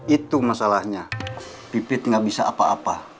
itu masalahnya pipit gak bisa apa apa